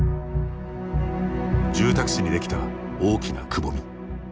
住宅地にできた、大きなくぼみ。